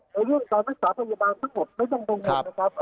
ในเรื่องการรักษาพยาบาลทั้งหมดไม่ต้องกังวลนะครับ